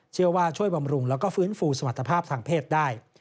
เชื่อว่าช่วยบำรุงแล้วก็ฟื้นฟูสมรรถภาพทางเพศได้